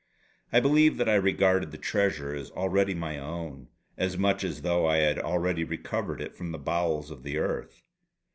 I believe that I regarded the treasure as already my own; as much as though I had already recovered it from the bowels of the earth.